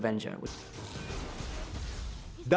dan itu adalah yang saya inginkan